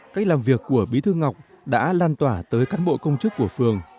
cách làm việc của bí thư ngọc đã lan tỏa tới cán bộ công chức của phường